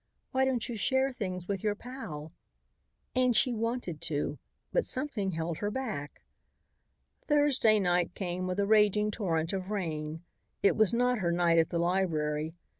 Why don't you share things with your pal?" And she wanted to, but something held her back. Thursday night came with a raging torrent of rain. It was not her night at the library.